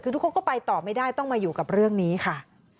คือทุกคนก็ไปต่อไม่ได้ต้องมาอยู่กับเรื่องนี้ค่ะ